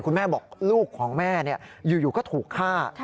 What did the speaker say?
แม่บอกลูกของแม่อยู่ก็ถูกฆ่า